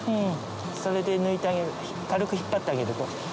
それで抜いてあげる軽く引っ張ってあげると。